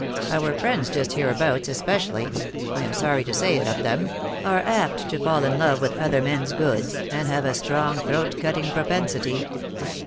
Our friends just hereabouts, es pecially, (I am sorry to say it of them), are apt to fall in love with other men s goods, and have a strong throat cutting propensity."